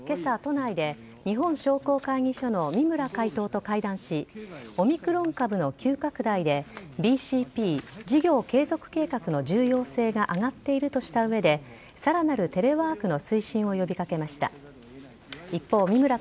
日本商工会議所の三村会頭と会談し山際経済再生担当大臣は今朝都内でオミクロン株の急拡大でＢＣＰ＝事業継続計画の重要性が上がっているとした上でさらなるテレワークの推進を呼び掛けました。